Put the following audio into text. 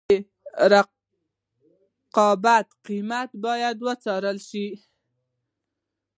د رقیب قیمت باید وڅېړل شي.